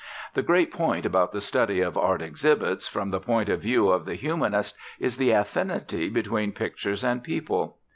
The great point about the study of art exhibitions from the point of view of the humanist is the affinity between pictures and people.